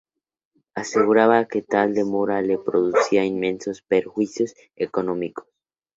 Aseguraba que tal demora le producía inmensos perjuicios económicos.